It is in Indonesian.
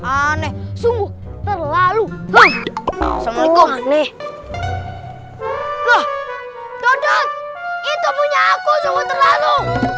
aneh sungguh terlalu aneh itu punya aku terlalu